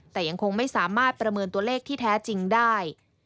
แต่ยังคงไม่สามารถประเมินตัวเลขที่แท้จริงได้